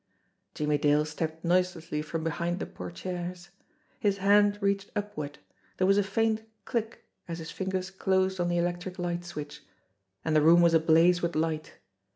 Jimmie Dale stepped noiselessly from behind the portieres. His hand reached upward, there was a faint click as his fingers closed on the electric light switch, and the room was ablaze with light.